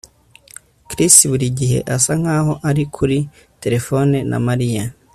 Chris buri gihe asa nkaho ari kuri terefone na Mariya